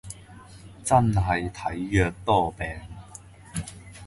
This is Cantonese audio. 真係體弱多病